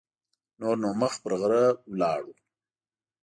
نور نو مخ پر غره لاړو.